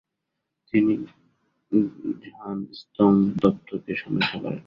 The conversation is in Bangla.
তিনি গ্ঝান-স্তোং তত্ত্বকে সমৃদ্ধ করেন।